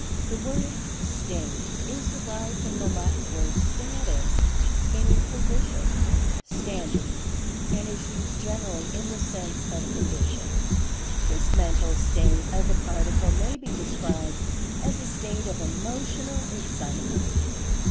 The word "State" is derived from the Latin word Status, meaning "position; standing," and is used generally in the sense of "condition." This Mental State of the Particle may be described as a state of "Emotional Excitement."